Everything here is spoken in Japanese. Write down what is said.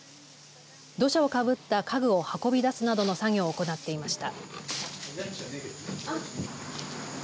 土砂をかぶった家具を運び出すなどの作業を行っていました。